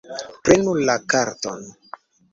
Prenu la karton